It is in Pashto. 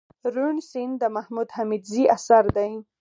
روڼ سيند دمحمود حميدزي اثر دئ